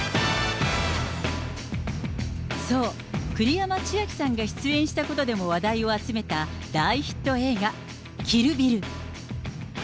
そう、栗山千明さんが出演したことでも話題を集めた、大ヒット映画、キル・ビル。